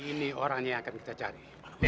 ini orang yang akan kita cari